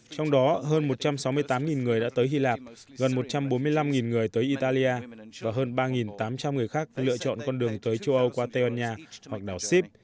trong đó hơn một trăm sáu mươi tám người đã tới hy lạp gần một trăm bốn mươi năm người tới italia và hơn ba tám trăm linh người khác lựa chọn con đường tới châu âu qua tây ban nha hoặc đảo sip